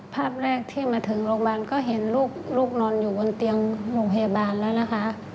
ภาพแรกที่มาถึงโรงพยาบาลก็เห็นลูกนอนอยู่บนเตียงโรงพยาบาลแล้วนะคะ